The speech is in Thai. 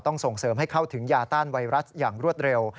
ส่งเสริมให้เข้าถึงยาต้านไวรัสอย่างรวดเร็ว